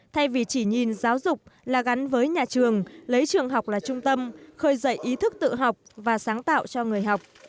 thay vì chỉ nhìn giáo dục là gắn với nhà trường lấy trường học là trung tâm khơi dậy ý thức tự học và sáng tạo cho người học